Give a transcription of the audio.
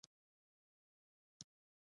د یو دنګ شهزاده خیال وي